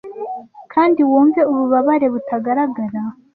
Kandi wumve ububabare butagaragara .